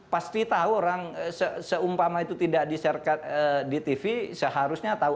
pasti tahu orang seumpama itu tidak di sharekat di tv seharusnya tahu